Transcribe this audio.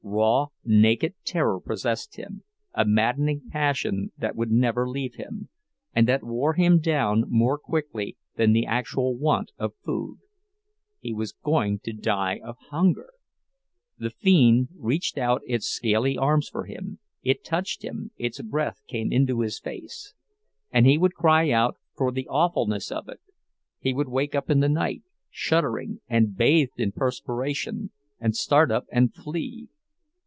Raw, naked terror possessed him, a maddening passion that would never leave him, and that wore him down more quickly than the actual want of food. He was going to die of hunger! The fiend reached out its scaly arms for him—it touched him, its breath came into his face; and he would cry out for the awfulness of it, he would wake up in the night, shuddering, and bathed in perspiration, and start up and flee.